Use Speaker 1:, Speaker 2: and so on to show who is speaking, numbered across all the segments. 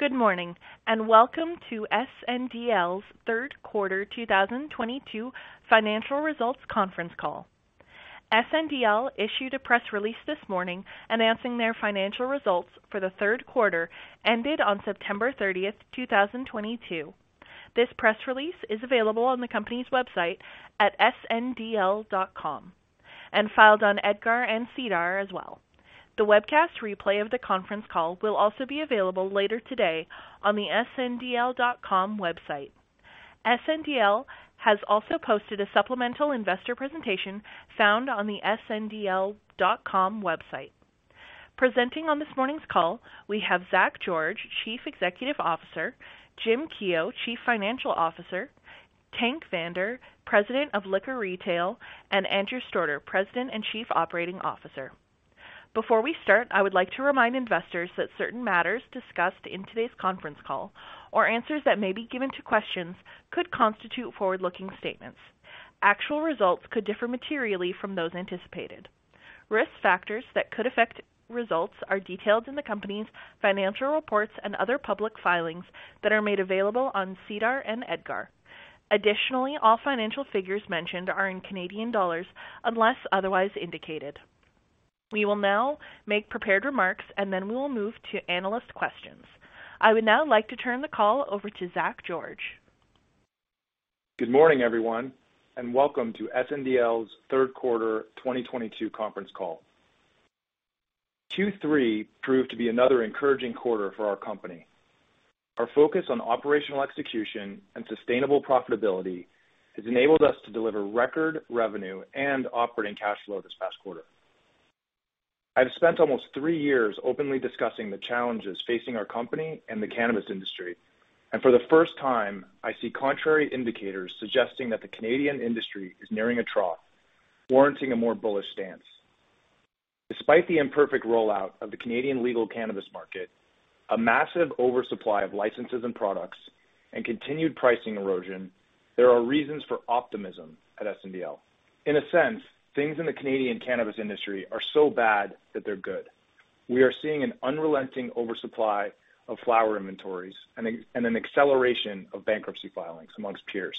Speaker 1: Good morning, and welcome to SNDL's third quarter 2022 financial results conference call. SNDL issued a press release this morning announcing their financial results for the third quarter, ended on September 30th, 2022. This press release is available on the company's website at sndl.com and filed on EDGAR and SEDAR as well. The webcast replay of the conference call will also be available later today on the sndl.com website. SNDL has also posted a supplemental investor presentation found on the sndl.com website. Presenting on this morning's call, we have Zach George, Chief Executive Officer, Jim Keough, Chief Financial Officer, Tank Vander, President of Liquor Retail, and Andrew Stordeur, President and Chief Operating Officer. Before we start, I would like to remind investors that certain matters discussed in today's conference call or answers that may be given to questions could constitute forward-looking statements. Actual results could differ materially from those anticipated. Risk factors that could affect results are detailed in the company's financial reports and other public filings that are made available on SEDAR and EDGAR. Additionally, all financial figures mentioned are in Canadian dollars unless otherwise indicated. We will now make prepared remarks, and then we will move to analyst questions. I would now like to turn the call over to Zach George.
Speaker 2: Good morning, everyone, and welcome to SNDL's third quarter 2022 conference call. Q3 proved to be another encouraging quarter for our company. Our focus on operational execution and sustainable profitability has enabled us to deliver record revenue and operating cash flow this past quarter. I've spent almost three years openly discussing the challenges facing our company and the cannabis industry, and for the first time, I see contrary indicators suggesting that the Canadian industry is nearing a trough, warranting a more bullish stance. Despite the imperfect rollout of the Canadian legal cannabis market, a massive oversupply of licenses and products, and continued pricing erosion, there are reasons for optimism at SNDL. In a sense, things in the Canadian cannabis industry are so bad that they're good. We are seeing an unrelenting oversupply of flower inventories and an acceleration of bankruptcy filings among peers.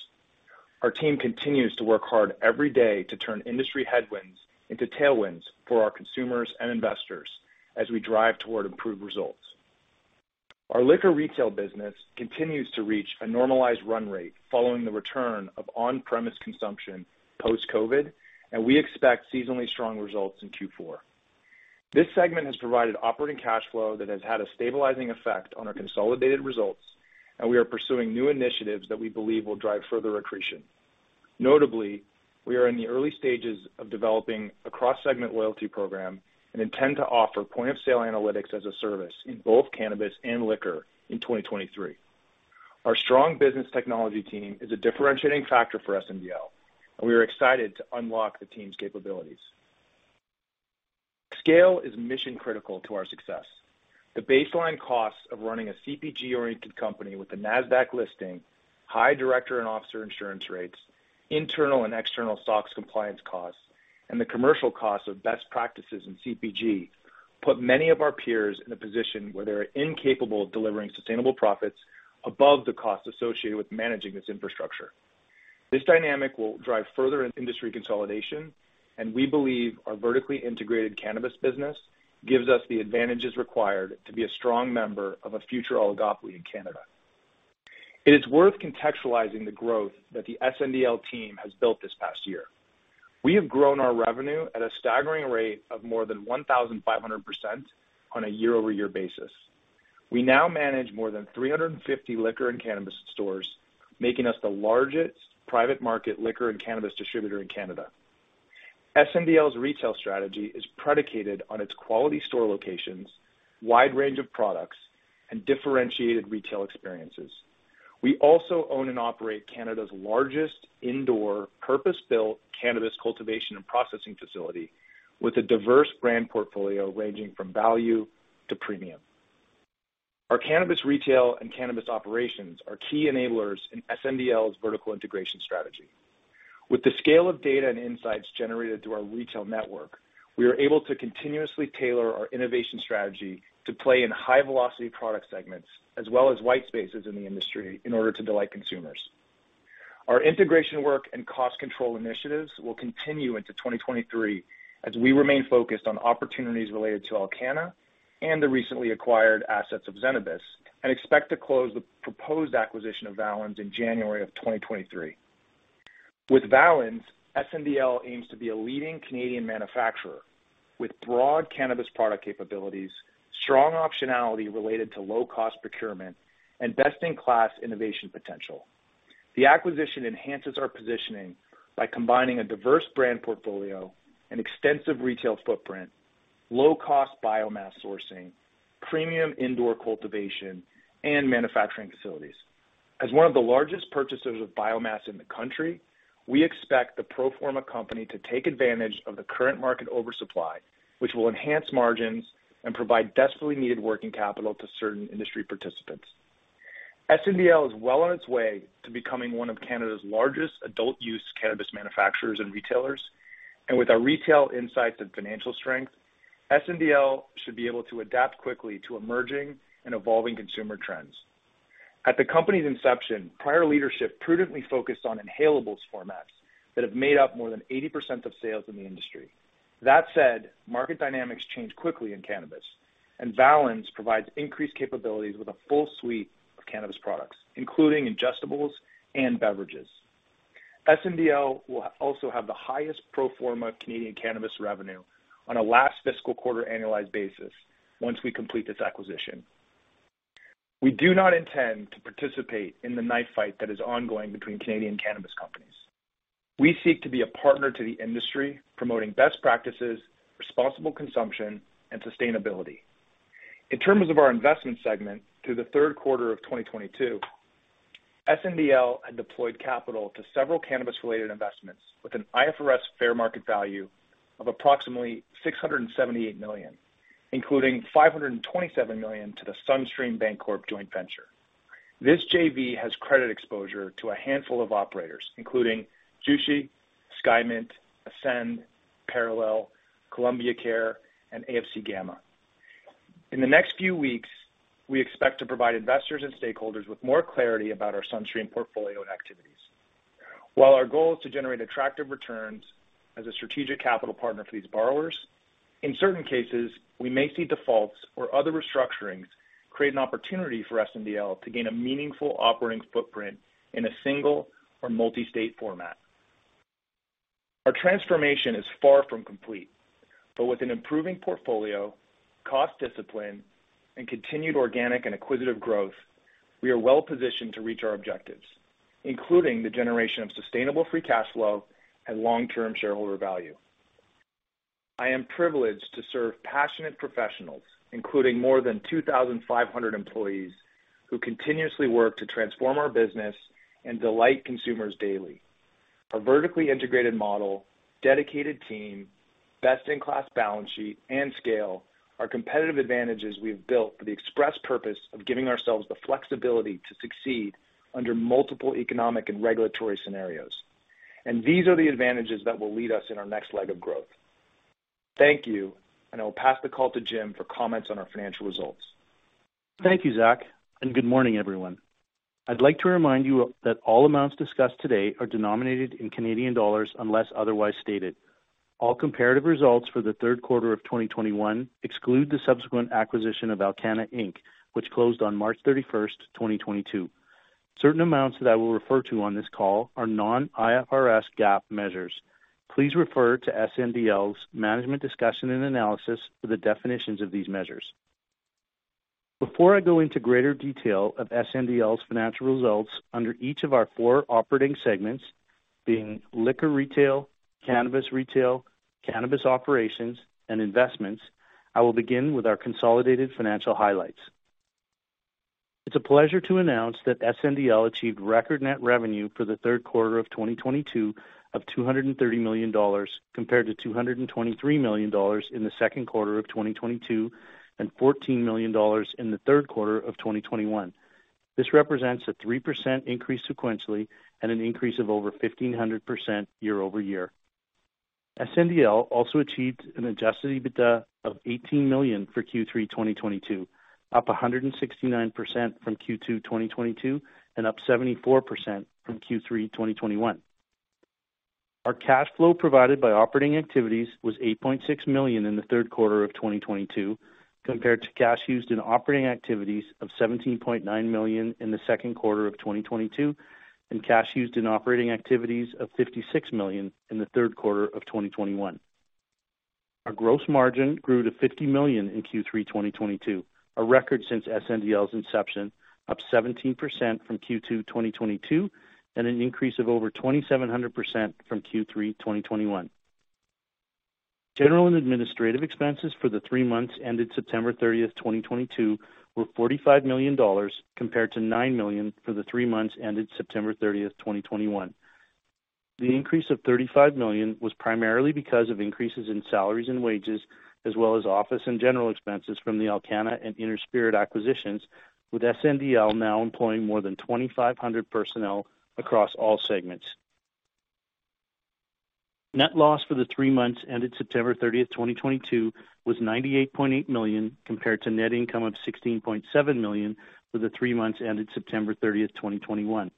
Speaker 2: Our team continues to work hard every day to turn industry headwinds into tailwinds for our consumers and investors as we drive toward improved results. Our Liquor Retail business continues to reach a normalized run rate following the return of on-premise consumption post-COVID, and we expect seasonally strong results in Q4. This segment has provided operating cash flow that has had a stabilizing effect on our consolidated results, and we are pursuing new initiatives that we believe will drive further accretion. Notably, we are in the early stages of developing a cross-segment loyalty program and intend to offer point-of-sale analytics as a service in both cannabis and liquor in 2023. Our strong business technology team is a differentiating factor for SNDL, and we are excited to unlock the team's capabilities. Scale is mission-critical to our success. The baseline cost of running a CPG-oriented company with a Nasdaq listing, high Director and Officer insurance rates, internal and external SOX compliance costs, and the commercial costs of best practices in CPG put many of our peers in a position where they are incapable of delivering sustainable profits above the cost associated with managing this infrastructure. This dynamic will drive further intra-industry consolidation, and we believe our vertically integrated cannabis business gives us the advantages required to be a strong member of a future oligopoly in Canada. It is worth contextualizing the growth that the SNDL team has built this past year. We have grown our revenue at a staggering rate of more than 1,500% on a year-over-year basis. We now manage more than 350 liquor and cannabis stores, making us the largest private market liquor and cannabis distributor in Canada. SNDL's retail strategy is predicated on its quality store locations, wide range of products, and differentiated retail experiences. We also own and operate Canada's largest indoor purpose-built cannabis cultivation and processing facility with a diverse brand portfolio ranging from value to premium. Our Cannabis Retail and cannabis operations are key enablers in SNDL's vertical integration strategy. With the scale of data and insights generated through our retail network, we are able to continuously tailor our innovation strategy to play in high-velocity product segments as well as white spaces in the industry in order to delight consumers. Our integration work and cost control initiatives will continue into 2023 as we remain focused on opportunities related to Alcanna and the recently acquired assets of Zenabis and expect to close the proposed acquisition of Valens in January of 2023. With Valens, SNDL aims to be a leading Canadian manufacturer with broad cannabis product capabilities, strong optionality related to low-cost procurement, and best-in-class innovation potential. The acquisition enhances our positioning by combining a diverse brand portfolio, an extensive retail footprint, low-cost biomass sourcing, premium indoor cultivation, and manufacturing facilities. As one of the largest purchasers of biomass in the country, we expect the pro forma company to take advantage of the current market oversupply, which will enhance margins and provide desperately needed working capital to certain industry participants. SNDL is well on its way to becoming one of Canada's largest adult-use cannabis manufacturers and retailers. With our retail insights and financial strength, SNDL should be able to adapt quickly to emerging and evolving consumer trends. At the company's inception, prior leadership prudently focused on inhalables formats that have made up more than 80% of sales in the industry. That said, market dynamics change quickly in cannabis, and Valens provides increased capabilities with a full suite of cannabis products, including ingestibles and beverages. SNDL will also have the highest pro forma Canadian cannabis revenue on a last fiscal quarter annualized basis once we complete this acquisition. We do not intend to participate in the knife fight that is ongoing between Canadian cannabis companies. We seek to be a partner to the industry, promoting best practices, responsible consumption, and sustainability. In terms of our investment segment, through the third quarter of 2022, SNDL had deployed capital to several cannabis-related investments with an IFRS fair market value of approximately 678 million, including 527 million to the SunStream Bancorp joint venture. This JV has credit exposure to a handful of operators, including Surterra, Skymint, Ascend, Parallel, Columbia Care, and AFC Gamma. In the next few weeks, we expect to provide investors and stakeholders with more clarity about our SunStream portfolio activities. While our goal is to generate attractive returns as a strategic capital partner for these borrowers, in certain cases, we may see defaults or other restructurings create an opportunity for SNDL to gain a meaningful operating footprint in a single or multi-state format. Our transformation is far from complete, but with an improving portfolio, cost discipline, and continued organic and acquisitive growth, we are well-positioned to reach our objectives, including the generation of sustainable free cash flow and long-term shareholder value. I am privileged to serve passionate professionals, including more than 2,500 employees, who continuously work to transform our business and delight consumers daily. Our vertically integrated model, dedicated team, best-in-class balance sheet, and scale are competitive advantages we have built for the express purpose of giving ourselves the flexibility to succeed under multiple economic and regulatory scenarios. These are the advantages that will lead us in our next leg of growth. Thank you. I will pass the call to Jim for comments on our financial results.
Speaker 3: Thank you, Zach, and good morning, everyone. I'd like to remind you that all amounts discussed today are denominated in Canadian dollars unless otherwise stated. All comparative results for the third quarter of 2021 exclude the subsequent acquisition of Alcanna Inc., which closed on March 31, 2022. Certain amounts that I will refer to on this call are non-IFRS GAAP measures. Please refer to SNDL's management discussion and analysis for the definitions of these measures. Before I go into greater detail of SNDL's financial results under each of our four operating segments, being Liquor Retail, Cannabis Retail, cannabis operations, and investments, I will begin with our consolidated financial highlights. It's a pleasure to announce that SNDL achieved record net revenue for the third quarter of 2022 of 230 million dollars, compared to 223 million dollars in the second quarter of 2022 and 14 million dollars in the third quarter of 2021. This represents a 3% increase sequentially and an increase of over 1,500% year-over-year. SNDL also achieved an Adjusted EBITDA of 18 million for Q3 2022, up 169% from Q2 2022 and up 74% from Q3 2021. Our cash flow provided by operating activities was 8.6 million in the third quarter of 2022, compared to cash used in operating activities of 17.9 million in the second quarter of 2022, and cash used in operating activities of 56 million in the third quarter of 2021. Our gross margin grew to 50 million in Q3 2022, a record since SNDL's inception, up 17% from Q2 2022 and an increase of over 2,700% from Q3 2021. General and administrative expenses for the three months ended September 30, 2022, were 45 million dollars, compared to 9 million for the three months ended September 30, 2021. The increase of 35 million was primarily because of increases in salaries and wages, as well as office and general expenses from the Alcanna and Inner Spirit acquisitions, with SNDL now employing more than 2,500 personnel across all segments. Net loss for the three months ended September thirtieth, 2022, was 98.8 million, compared to net income of 16.7 million for the three months ended September 30th, 2021.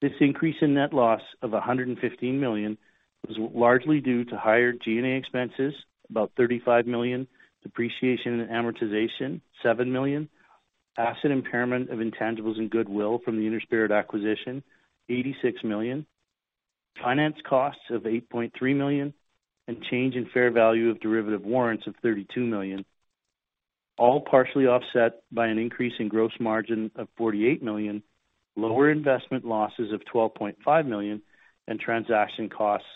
Speaker 3: This increase in net loss of 115 million was largely due to higher G&A expenses, about 35 million, depreciation and amortization, 7 million, asset impairment of intangibles and goodwill from the Inner Spirit acquisition, 86 million, finance costs of 8.3 million, and change in fair value of derivative warrants of 30 million, all partially offset by an increase in gross margin of 48 million, lower investment losses of 12.5 million, and transaction costs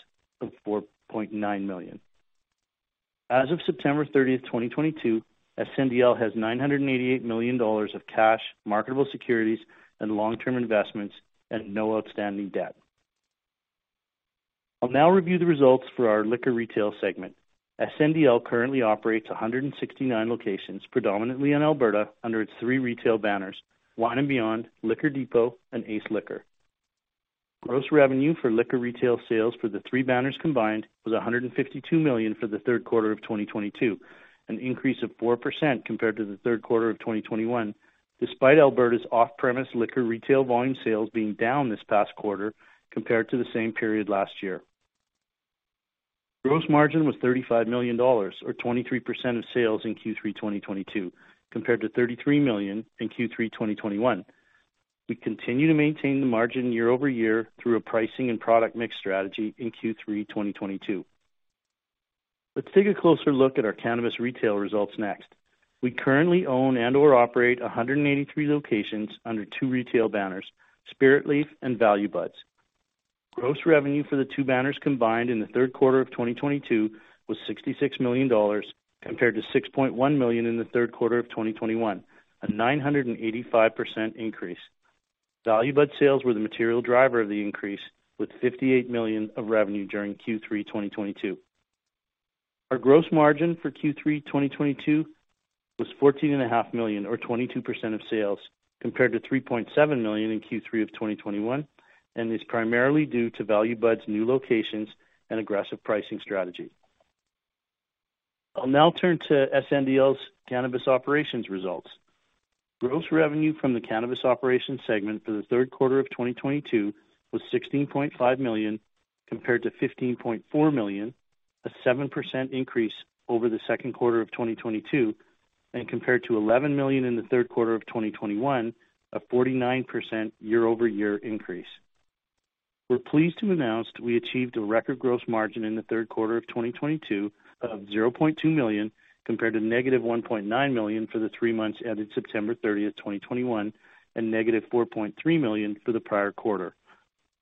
Speaker 3: of 4.9 million. As of September 30, 2022, SNDL has 988 million dollars of cash, marketable securities, and long-term investments and no outstanding debt. I'll now review the results for our Liquor Retail segment. SNDL currently operates 169 locations, predominantly in Alberta, under its three retail banners: Wine and Beyond, Liquor Depot, and Ace Liquor. Gross revenue Liquor Retail sales for the three banners combined was 152 million for the third quarter of 2022, an increase of 4% compared to the third quarter of 2021, despite Alberta's off-premise Liquor Retail volume sales being down this past quarter compared to the same period last year. Gross margin was 35 million dollars or 23% of sales in Q3 2022, compared to 33 million in Q3 2021. We continue to maintain the margin year-over-year through a pricing and product mix strategy in Q3 2022. Let's take a closer look at our Cannabis Retail results next. We currently own and/or operate 183 locations under two retail banners: Spiritleaf and Value Buds. Gross revenue for the two banners combined in the third quarter of 2022 was 66 million dollars compared to 6.1 million in the third quarter of 2021, a 985% increase. Value Buds sales were the material driver of the increase with 58 million of revenue during Q3 2022. Our gross margin for Q3 2022 was 14.5 million or 22% of sales, compared to 3.7 million in Q3 of 2021, and is primarily due to Value Buds new locations and aggressive pricing strategy. I'll now turn to SNDL's cannabis operations results. Gross revenue from the Cannabis Operations segment for the third quarter of 2022 was 16.5 million, compared to 15.4 million, a 7% increase over the second quarter of 2022, and compared to 11 million in the third quarter of 2021, a 49% year-over-year increase. We're pleased to announce we achieved a record gross margin in the third quarter of 2022 of 0.2 million compared to negative 1.9 million for the three months ended September 30, 2021, and negative 4.3 million for the prior quarter.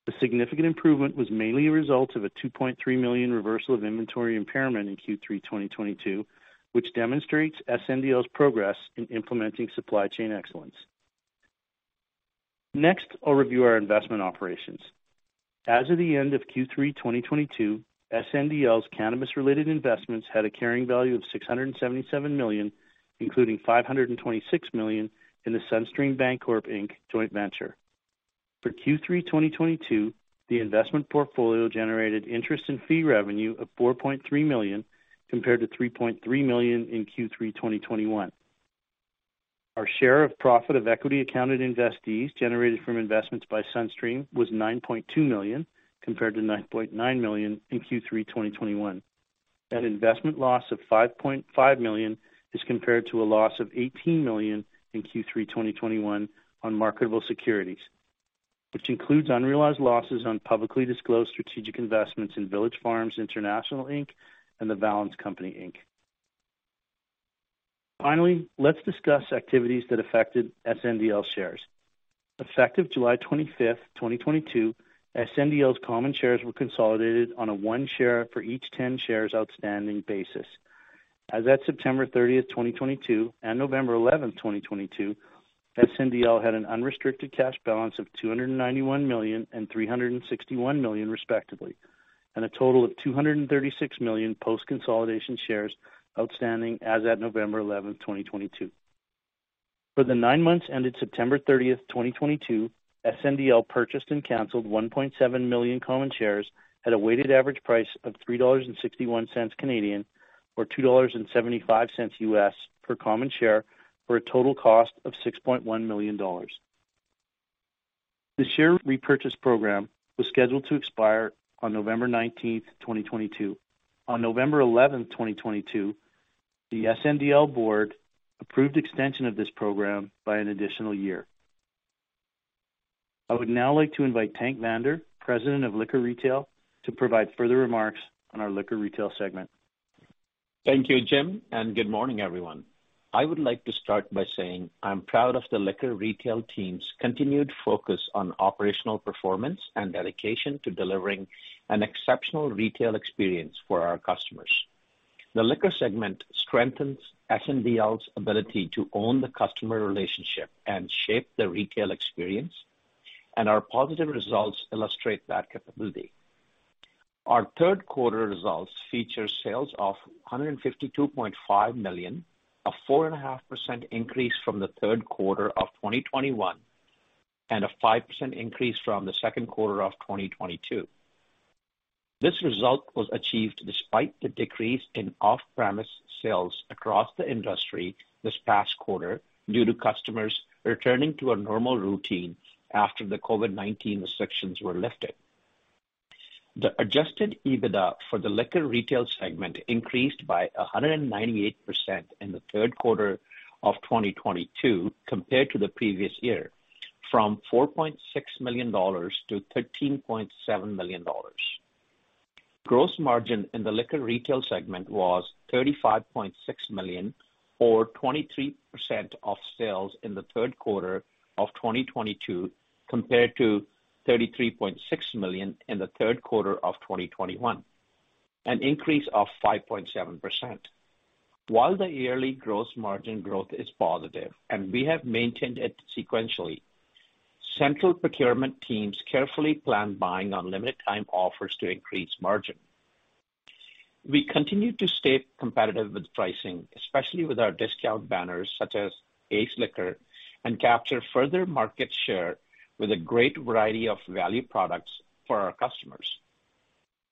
Speaker 3: The significant improvement was mainly a result of a 2.3 million reversal of inventory impairment in Q3 2022, which demonstrates SNDL's progress in implementing supply chain excellence. Next, I'll review our investment operations. As of the end of Q3 2022, SNDL's cannabis-related investments had a carrying value of 677 million, including 526 million in the SunStream Bancorp Inc. joint venture. For Q3 2022, the investment portfolio generated interest and fee revenue of 4.3 million, compared to 3.3 million in Q3 2021. Our share of profit from equity-accounted investees generated from investments by SunStream was 9.2 million, compared to 9.9 million in Q3 2021. That investment loss of 5.5 million is compared to a loss of 18 million in Q3 2021 on marketable securities, which includes unrealized losses on publicly disclosed strategic investments in Village Farms International, Inc. and The Valens Company, Inc. Finally, let's discuss activities that affected SNDL shares. Effective July 25, 2022, SNDL's common shares were consolidated on a one share for each 10 shares outstanding basis. As at September 30, 2022, and November 11, 2022, SNDL had an unrestricted cash balance of 291 million and 361 million, respectively, and a total of 236 million post-consolidation shares outstanding as at November 11, 2022. For the nine months ended September 30, 2022, SNDL purchased and canceled 1.7 million common shares at a weighted average price of 3.61 Canadian dollars or $2.75 US per common share, for a total cost of 6.1 million dollars. The share repurchase program was scheduled to expire on November 19, 2022. On November 11, 2022, the SNDL board approved the extension of this program by an additional year. I would now like to invite Tank Vander, President of Liquor Retail, to provide further remarks on our Liquor Retail segment.
Speaker 4: Thank you, Jim, and good morning, everyone. I would like to start by saying I'm proud of the Liquor Retail team's continued focus on operational performance and dedication to delivering an exceptional retail experience for our customers. The liquor segment strengthens SNDL's ability to own the customer relationship and shape the retail experience, and our positive results illustrate that capability. Our third quarter results feature sales of 152.5 million, a 4.5% increase from the third quarter of 2021, and a 5% increase from the second quarter of 2022. This result was achieved despite the decrease in off-premise sales across the industry this past quarter, due to customers returning to a normal routine after the COVID-19 restrictions were lifted. The Adjusted EBITDA for the Liquor Retail segment increased by 198% in the third quarter of 2022 compared to the previous year, from 4.6 million dollars to 13.7 million dollars. Gross margin in the Liquor Retail segment was 35.6 million or 23% of sales in the third quarter of 2022, compared to 33.6 million in the third quarter of 2021, an increase of 5.7%. While the yearly gross margin growth is positive and we have maintained it sequentially, central procurement teams carefully plan buying on limited-time offers to increase margin. We continue to stay competitive with pricing, especially with our discount banners such as Ace Liquor, and capture further market share with a great variety of value products for our customers.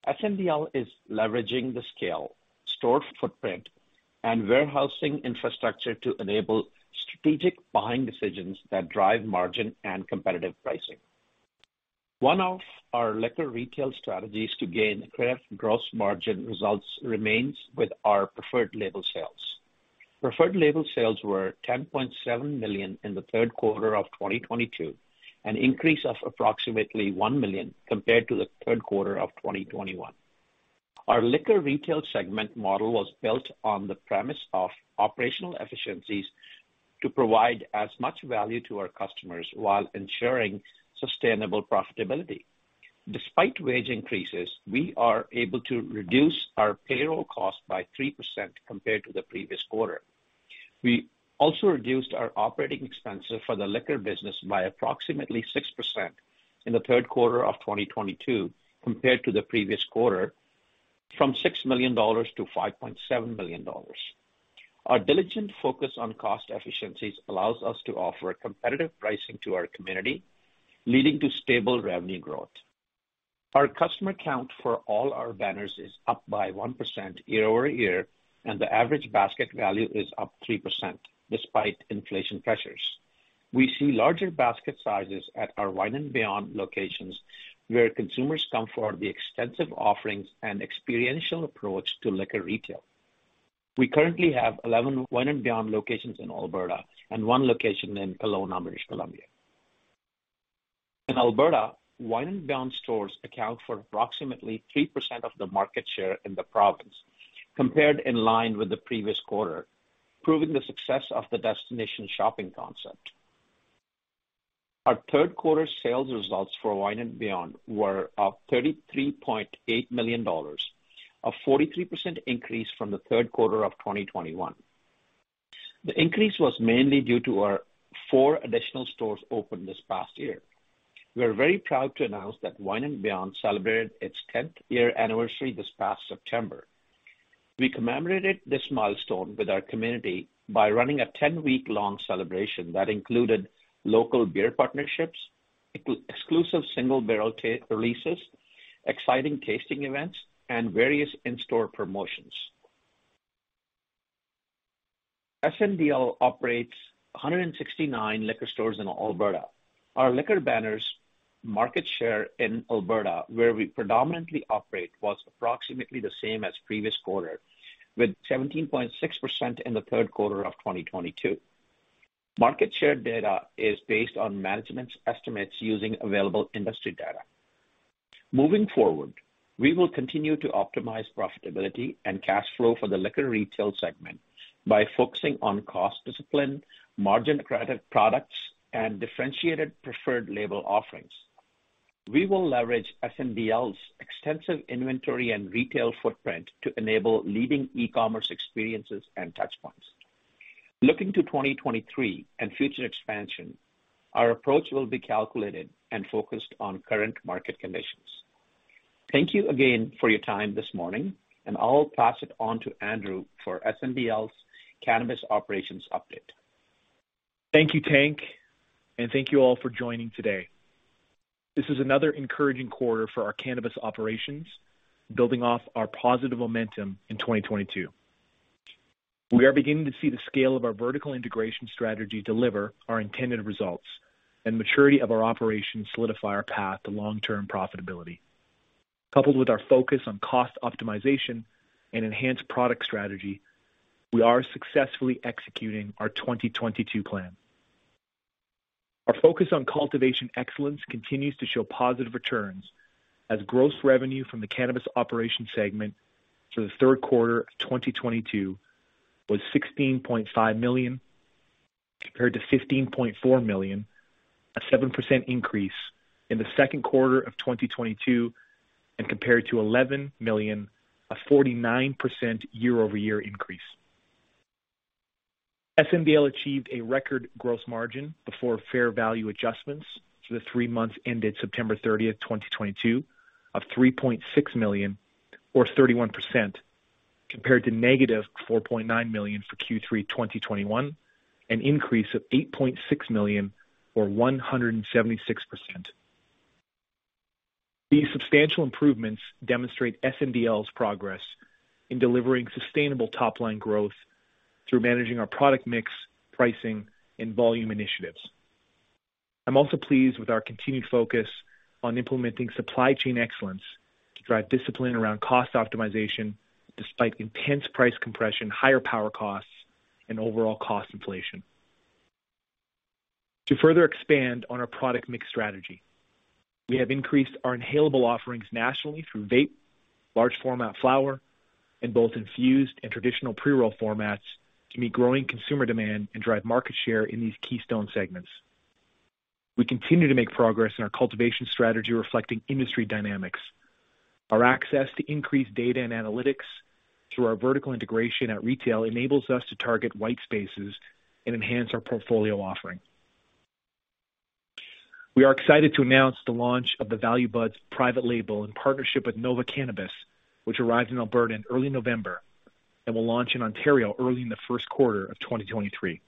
Speaker 4: SNDL is leveraging the scale, store footprint, and warehousing infrastructure to enable strategic buying decisions that drive margin and competitive pricing. One of our Liquor Retail strategies to gain creative gross margin results remains with our preferred label sales. Preferred label sales were 10.7 million in the third quarter of 2022, an increase of approximately 1 million compared to the third quarter of 2021. Our Liquor Retail segment model was built on the premise of operational efficiencies to provide as much value to our customers while ensuring sustainable profitability. Despite wage increases, we are able to reduce our payroll costs by 3% compared to the previous quarter. We also reduced our operating expenses for the liquor business by approximately 6% in the third quarter of 2022, compared to the previous quarter, from 6 million dollars to 5.7 million dollars. Our diligent focus on cost efficiencies allows us to offer competitive pricing to our community, leading to stable revenue growth. Our customer count for all our banners is up by 1% year-over-year, and the average basket value is up 3% despite inflation pressures. We see larger basket sizes at our Wine and Beyond locations, where consumers come for the extensive offerings and experiential approach to Liquor Retail. We currently have 11 Wine and Beyond locations in Alberta and one location in Kelowna, British Columbia. In Alberta, Wine and Beyond stores account for approximately 3% of the market share in the province, comparable in line with the previous quarter, proving the success of the destination shopping concept. Our third-quarter sales results for Wine and Beyond were 33.8 million dollars, a 43% increase from the third quarter of 2021. The increase was mainly due to our four additional stores that opened this past year. We are very proud to announce that Wine and Beyond celebrated its 10th year anniversary this past September. We commemorated this milestone with our community by running a 10-week-long celebration that included local beer partnerships, exclusive single-barrel releases, exciting tasting events, and various in-store promotions. SNDL operates 169 liquor stores in Alberta. Our liquor banners' market share in Alberta, where we predominantly operate, was approximately the same as the previous quarter, with 17.6% in the third quarter of 2022. Market share data is based on management's estimates using available industry data. Moving forward, we will continue to optimize profitability and cash flow for the Liquor Retail segment by focusing on cost discipline, margin products, and differentiated preferred label offerings. We will leverage SNDL's extensive inventory and retail footprint to enable leading e-commerce experiences and touch points. Looking to 2023 and future expansion, our approach will be calculated and focused on current market conditions. Thank you again for your time this morning, and I'll pass it on to Andrew for SNDL's cannabis operations update.
Speaker 5: Thank you, Tank, and thank you all for joining today. This is another encouraging quarter for our cannabis operations, building off our positive momentum in 2022. We are beginning to see the scale of our vertical integration strategy deliver our intended results, and the maturity of our operations solidifies our path to long-term profitability. Coupled with our focus on cost optimization and enhanced product strategy, we are successfully executing our 2022 plan. Our focus on cultivation excellence continues to show positive returns as gross revenue from the cannabis operations segment for the third quarter of 2022 was 16.5 million, compared to 15.4 million, a 7% increase in the second quarter of 2022, and compared to 11 million, a 49% year-over-year increase. SNDL achieved a record gross margin before fair value adjustments for the three months ended September 30, 2022, of 3.6 million or 31%, compared to -4.9 million for Q3 2021, an increase of 8.6 million or 176%. These substantial improvements demonstrate SNDL's progress in delivering sustainable top-line growth through managing our product mix, pricing, and volume initiatives. I'm also pleased with our continued focus on implementing supply chain excellence to drive discipline around cost optimization despite intense price compression, higher power costs, and overall cost inflation. To further expand on our product mix strategy, we have increased our inhalable offerings nationally through vape, large-format flower, and both infused and traditional pre-roll formats to meet growing consumer demand and drive market share in these keystone segments. We continue to make progress in our cultivation strategy reflecting industry dynamics. Our access to increased data and analytics through our vertical integration at retail enables us to target white spaces and enhance our portfolio offering. We are excited to announce the launch of the Value Buds private label in partnership with Nova Cannabis, which arrives in Alberta in early November and will launch in Ontario early in the first quarter of 2023.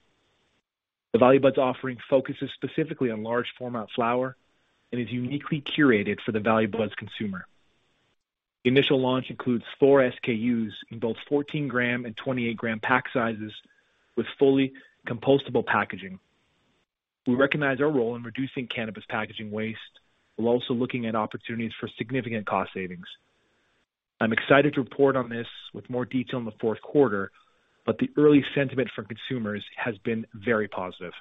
Speaker 5: The Value Buds offering focuses specifically on large-format flower and is uniquely curated for the Value Buds consumer. The initial launch includes four SKUs in both 14-gram and 28-gram pack sizes with fully compostable packaging. We recognize our role in reducing cannabis packaging waste while also looking at opportunities for significant cost savings. I'm excited to report on this with more detail in the fourth quarter, but the early sentiment from consumers has been very positive.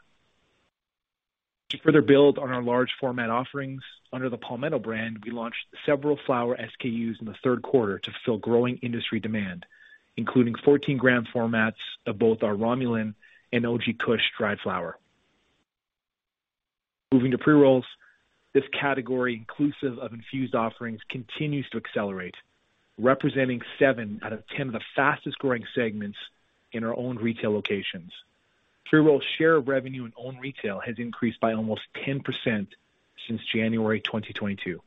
Speaker 5: To further build on our large-format offerings under the Palmetto brand, we launched several flower SKUs in the third quarter to fill growing industry demand, including 14-gram formats of both our Romulan and OG Kush dried flower. Moving to pre-rolls, this category, inclusive of infused offerings, continues to accelerate, representing 7 out of 10 of the fastest-growing segments in our own retail locations. Pre-roll share of revenue in own retail has increased by almost 10% since January 2022.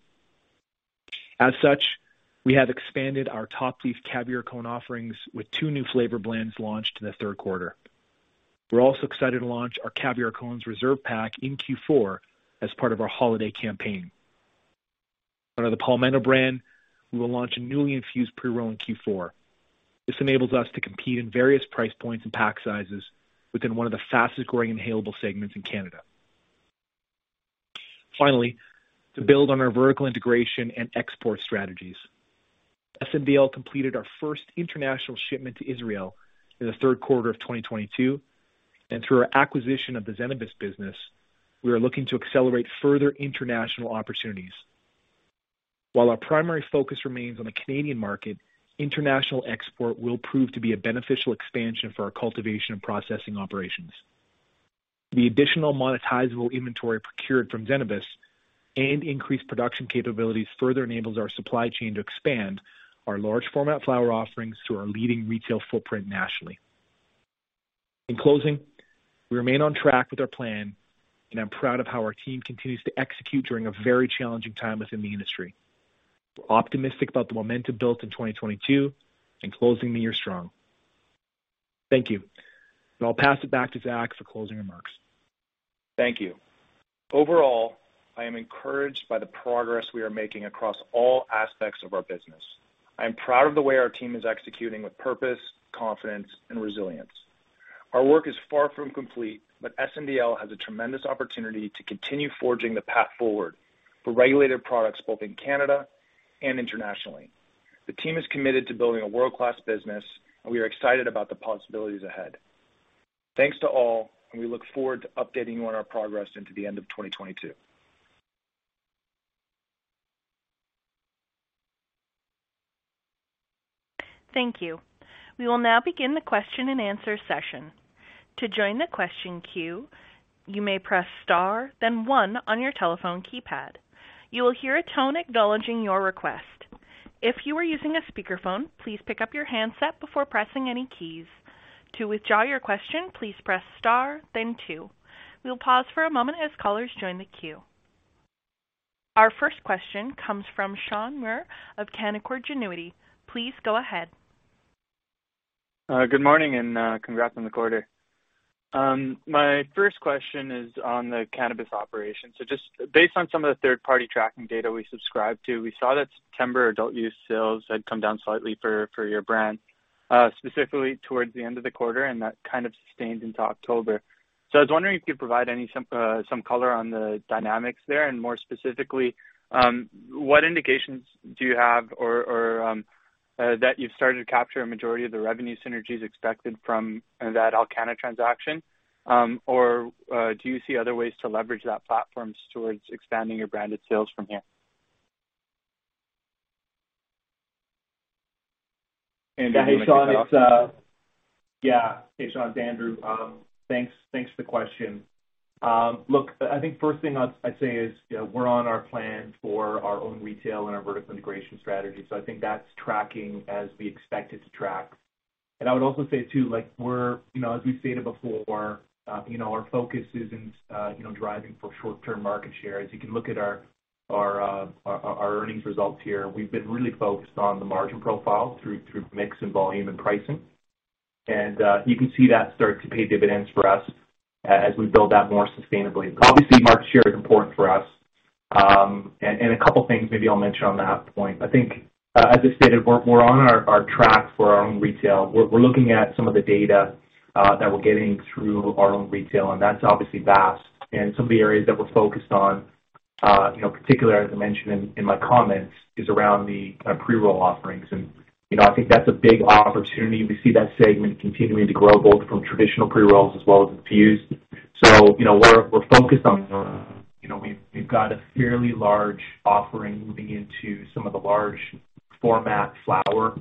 Speaker 5: As such, we have expanded our Top Leaf Caviar Cone offerings with two new flavor blends launched in the third quarter. We're also excited to launch our Caviar Cones reserve pack in Q4 as part of our holiday campaign. Under the Palmetto brand, we will launch a newly infused pre-roll in Q4. This enables us to compete in various price points and pack sizes within one of the fastest-growing inhalable segments in Canada. Finally, to build on our vertical integration and export strategies, SNDL completed our first international shipment to Israel in the third quarter of 2022, and through our acquisition of the Zenabis business, we are looking to accelerate further international opportunities. While our primary focus remains on the Canadian market, international export will prove to be a beneficial expansion for our cultivation and processing operations. The additional monetizable inventory procured from Zenabis and increased production capabilities further enable our supply chain to expand our large-format flower offerings through our leading retail footprint nationally. In closing, we remain on track with our plan, and I'm proud of how our team continues to execute during a very challenging time within the industry. We're optimistic about the momentum built in 2022 and closing the year strong. Thank you. Now I'll pass it back to Zach for closing remarks.
Speaker 2: Thank you. Overall, I am encouraged by the progress we are making across all aspects of our business. I am proud of the way our team is executing with purpose, confidence, and resilience. Our work is far from complete, but SNDL has a tremendous opportunity to continue forging the path forward for regulated products both in Canada and internationally. The team is committed to building a world-class business, and we are excited about the possibilities ahead. Thanks to all, and we look forward to updating you on our progress by the end of 2022.
Speaker 1: Thank you. We will now begin the question-and-answer session. To join the question queue, you may press star then one on your telephone keypad. You will hear a tone acknowledging your request. If you are using a speakerphone, please pick up your handset before pressing any keys. To withdraw your question, please press star then two. We will pause for a moment as callers join the queue. Our first question comes from Shaan Mir of Canaccord Genuity. Please go ahead.
Speaker 6: Good morning, and congrats on the quarter. My first question is on the cannabis operation. Just based on some of the third-party tracking data we subscribe to, we saw that September adult-use sales had come down slightly for your brand, specifically towards the end of the quarter, and that kind of sustained into October. I was wondering if you could provide some color on the dynamics there, and more specifically, what indications do you have that you've started to capture a majority of the revenue synergies expected from that Alcanna transaction, or do you see other ways to leverage that platform towards expanding your branded sales from here?
Speaker 2: Andrew, do you want to take that one?
Speaker 5: Hey, Shaan, it's Andrew. Thanks for the question. Look, I think the first thing I'd say is, you know, we're on our plan for our own retail and our vertical integration strategy. I think that's tracking as we expect it to track. I would also say, too, like we're, you know, as we've stated before, you know, our focus isn't you know driving for short-term market share. As you can look at our earnings results here, we've been really focused on the margin profile through mix and volume and pricing. You can see that start to pay dividends for us as we build that more sustainably. Obviously, market share is important for us, and a couple of things maybe I'll mention on that point. I think, as I stated, we're on our track for our own retail. We're looking at some of the data that we're getting through our own retail, and that's obviously vast. Some of the areas that we're focused on, you know, particularly as I mentioned in my comments, is around the kind of pre-roll offerings. You know, I think that's a big opportunity. We see that segment continuing to grow both from traditional pre-rolls as well as infused. You know, we're focused on, you know, we've got a fairly large offering moving into some of the large-format flowers.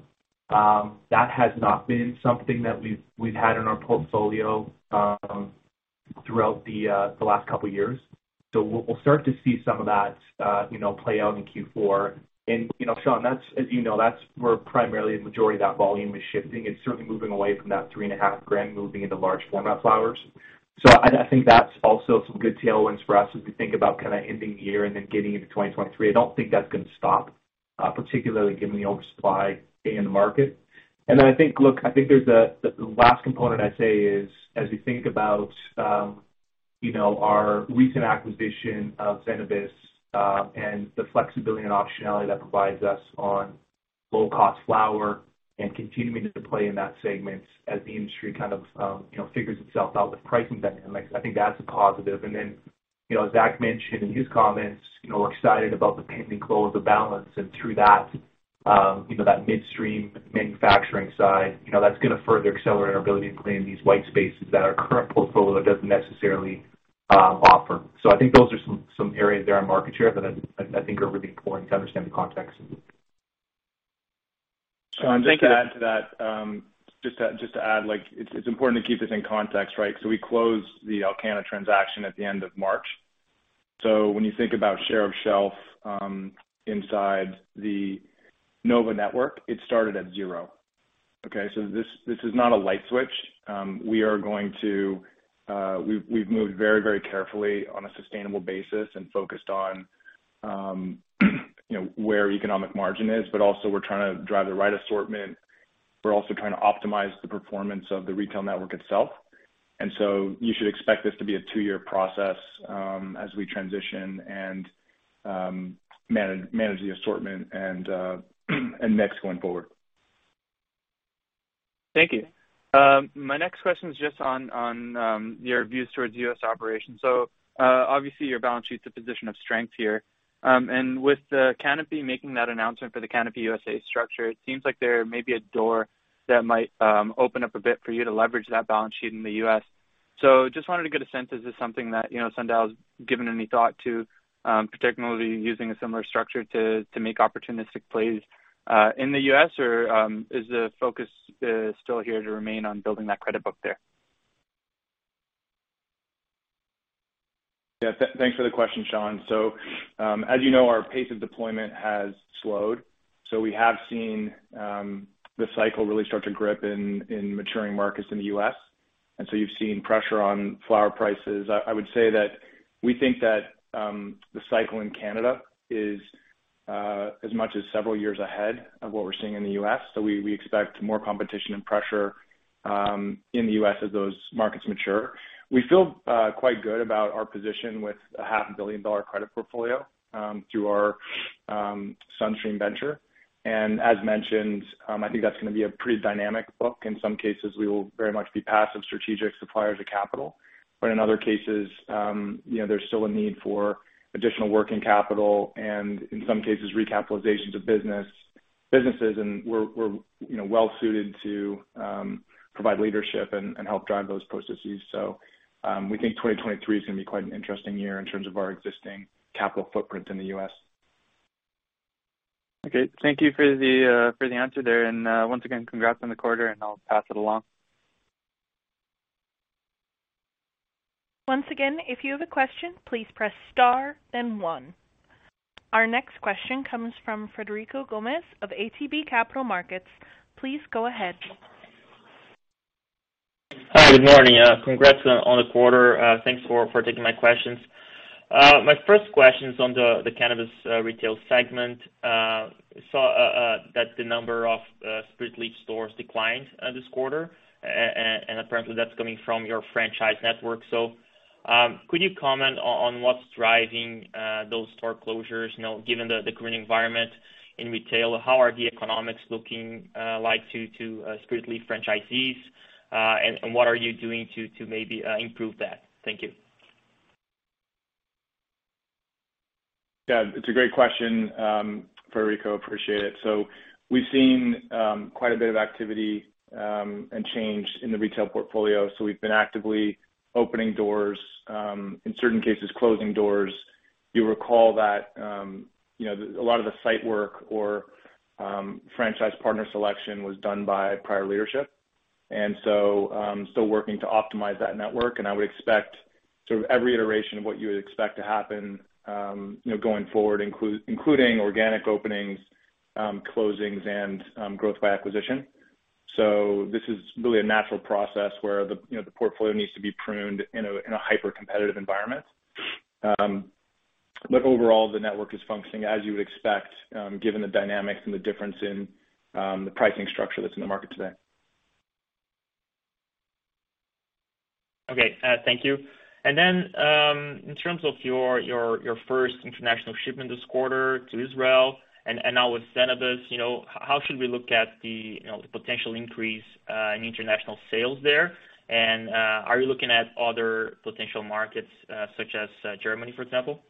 Speaker 5: That has not been something that we've had in our portfolio throughout the last couple of years. We'll start to see some of that, you know, play out in Q4. You know, Shaan, that's, as you know, that's where primarily the majority of that volume is shifting. It's certainly moving away from that 3.5 gram, moving into large-format flowers. I think that's also some good tailwinds for us as we think about kind of ending the year and then getting into 2023. I don't think that's gonna stop, particularly given the oversupply in the market. I think—look, I think there's a—the last component I'd say is as we think about, you know, our recent acquisition of Zenabis, and the flexibility and optionality that provides us on low cost flower and continuing to play in that segment as the industry kind of, you know, figures itself out with pricing dynamics, I think that's a positive. You know, as Zach mentioned in his comments, you know, we're excited about the pending close of Valens, and through that, you know, that midstream manufacturing side, you know, that's gonna further accelerate our ability to play in these white spaces that our current portfolio doesn't necessarily offer. I think those are some areas where there is market share that I think are really important to understand the context.
Speaker 2: Shaan, just to add to that, like it's important to keep this in context, right? We closed the Alcanna transaction at the end of March. When you think about the share of shelf, inside the Nova network, it started at zero. Okay? This is not a light switch. We've moved very carefully on a sustainable basis and focused on, you know, where economic margin is, but also we're trying to drive the right assortment. We're also trying to optimize the performance of the retail network itself. You should expect this to be a two-year process, as we transition and manage the assortment and mix going forward.
Speaker 6: Thank you. My next question is just on your views towards U.S. operations. Obviously, your balance sheet's a position of strength here. With the Canopy making that announcement for the Canopy U.S.A. structure, it seems like there may be a door that might open up a bit for you to leverage that balance sheet in the U.S. Just wanted to get a sense, is this something that, you know, SNDL has given any thought to, particularly using a similar structure to make opportunistic plays in the U.S. or is the focus still here to remain on building that credit book there?
Speaker 2: Yeah. Thanks for the question, Shaan. As you know, our pace of deployment has slowed, so we have seen the cycle really start to kick in in maturing markets in the U.S., and so you've seen pressure on flower prices. I would say that we think that the cycle in Canada is as much as several years ahead of what we're seeing in the U.S., so we expect more competition and pressure in the U.S. as those markets mature. We feel quite good about our position with a half-billion-dollar credit portfolio through our SunStream venture. As mentioned, I think that's gonna be a pretty dynamic book. In some cases, we will very much be passive strategic suppliers of capital, but in other cases, you know, there's still a need for additional working capital and in some cases recapitalizations of businesses, and we're, you know, well-suited to provide leadership and help drive those processes. We think 2023 is gonna be quite an interesting year in terms of our existing capital footprint in the U.S.
Speaker 6: Okay. Thank you for the answer there and, once again, congrats on the quarter and I'll pass it along.
Speaker 1: Once again, if you have a question, please press star then one. Our next question comes from Frederico Gomes of ATB Capital Markets. Please go ahead.
Speaker 7: Hi, good morning. Congrats on the quarter. Thanks for taking my questions. My first question is on the Cannabis Retail segment. Saw that the number of Spiritleaf stores declined this quarter, and apparently that's coming from your franchise network. Could you comment on what's driving those store closures? You know, given the current environment in retail, how are the economics looking for Spiritleaf franchisees, and what are you doing to maybe improve that? Thank you.
Speaker 2: Yeah, it's a great question, Frederico. Appreciate it. We've seen quite a bit of activity and change in the retail portfolio, so we've been actively opening doors, in certain cases, closing doors. You'll recall that, you know, a lot of the site work or franchise partner selection was done by prior leadership. Still working to optimize that network, and I would expect sort of every iteration of what you would expect to happen, you know, going forward, including organic openings, closings, and growth by acquisition. This is really a natural process where you know, the portfolio needs to be pruned in a hyper-competitive environment. Overall, the network is functioning as you would expect, given the dynamics and the difference in the pricing structure that's in the market today.
Speaker 7: Okay. Thank you. In terms of your first international shipment this quarter to Israel and now with Zenabis, you know, how should we look at the you know the potential increase in international sales there? Are you looking at other potential markets, such as Germany, for example?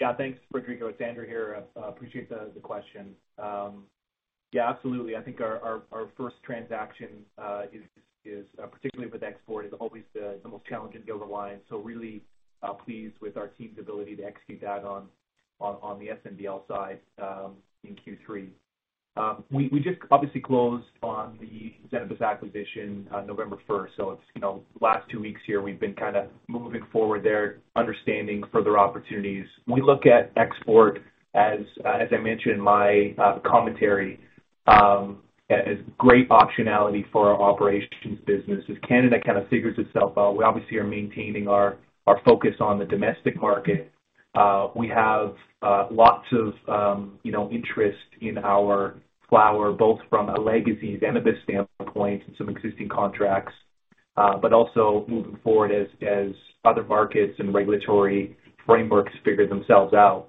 Speaker 5: Yeah. Thanks, Frederico. It's Andrew here. Appreciate the question. Yeah, absolutely. I think our first transaction is particularly with export, is always the most challenging to build a line, so really pleased with our team's ability to execute that on the SNDL side in Q3. We just obviously closed on the Zenabis acquisition on November first, so it's, you know, the last two weeks here we've been kinda moving forward there, understanding further opportunities. We look at export, as I mentioned in my commentary, as a great optionality for our operations business. As Canada kind of figures itself out, we obviously are maintaining our focus on the domestic market. We have lots of, you know, interest in our flower, both from a legacy Zenabis standpoint and some existing contracts, but also moving forward as other markets and regulatory frameworks figure themselves out.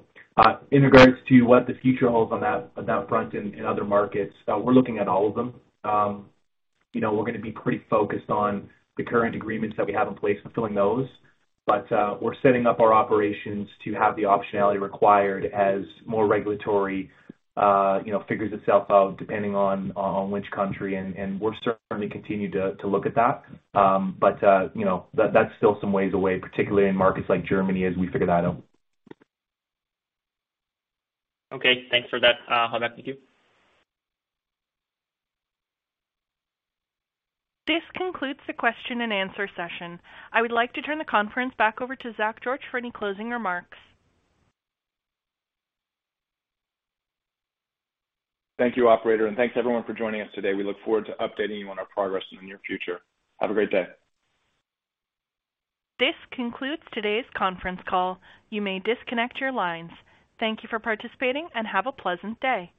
Speaker 5: In regard to what the future holds on that front in other markets, we're looking at all of them. You know, we're gonna be pretty focused on the current agreements that we have in place, fulfilling those. We're setting up our operations to have the optionality required as more regulatory, you know, figures itself out depending on which country, and we'll certainly continue to look at that. You know, that's still some ways away, particularly in markets like Germany, as we figure that out.
Speaker 7: Okay. Thanks for that. I'll pass it to you.
Speaker 1: This concludes the question-and-answer session. I would like to turn the conference back over to Zach George for any closing remarks.
Speaker 2: Thank you, operator, and thanks to everyone for joining us today. We look forward to updating you on our progress in the near future. Have a great day.
Speaker 1: This concludes today's conference call. You may disconnect your lines. Thank you for participating and have a pleasant day.